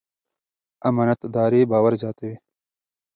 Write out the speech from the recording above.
امانتداري باور زیاتوي.